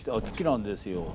好きなんですよ